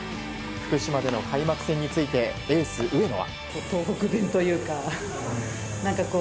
福島での開幕戦についてエース上野は。